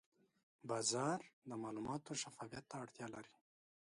بازار د معلوماتو شفافیت ته اړتیا لري.